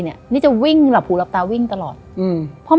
และยินดีต้อนรับทุกท่านเข้าสู่เดือนพฤษภาคมครับ